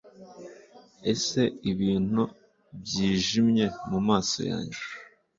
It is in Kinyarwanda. ese ibintu byijimye mumaso yanjye